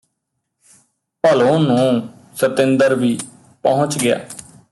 ਭਲੋਂ ਨੂੰ ਸਤਿੰਦਰ ਵੀ ਪਹੁੰਚ ਗਿਆ